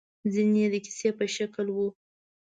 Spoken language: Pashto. ځينې يې د کيسې په شکل وو.